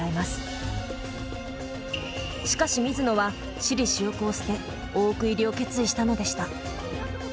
しかし水野は私利私欲を捨て大奥入りを決意したのでした。